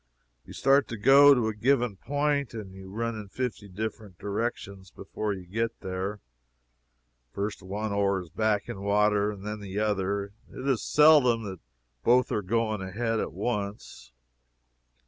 You start to go to a given point and you run in fifty different directions before you get there. First one oar is backing water, and then the other; it is seldom that both are going ahead at once.